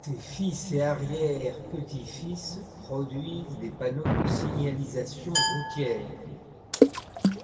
Ses fils et arrière-petits-fils produisent des panneaux de signalisation routière.